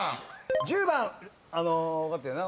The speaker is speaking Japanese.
１０番分かったよな？